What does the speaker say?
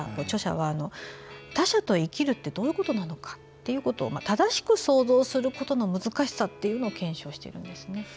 著者は、他者と生きるってどういうことなのかを正しく想像することの難しさというのを検証してるんですね。